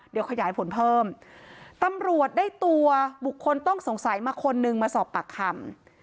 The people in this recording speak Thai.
เดี๋ยวขยายผลเพิ่มตำรวจได้ตัวบุคคลต้องสงสัยมาคนนึงมาสอบปากคำ